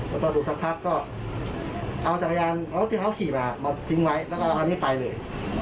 แล้วก็ดูสักพักก็เอาจักรยานเขาที่เขาขี่มามาทิ้งไว้แล้วก็คันนี้ไปเลย